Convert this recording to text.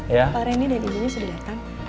pak randy dan ibu sudah datang